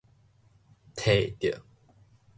提著